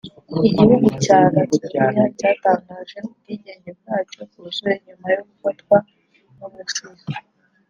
Igihugu cya Latvia cyatangaje ubwigenge bwacyo bwuzuye nyuma yo gufatwa n’uburusiya